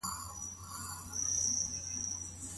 سهار تر لمانځه مخکي بايد پاکوالی راسي.